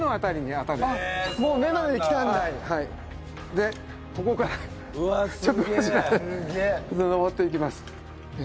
でここからちょっとこちらで登っていきます。